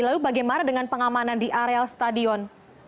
lalu bagaimana dengan pengamanan di areal stadion